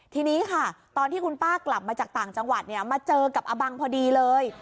ทีนี้ค่ะตอนที่คุณป้ากลับมาจากต่างจังหวัดเนี่ยมาเจอกับอบังพอดีเลย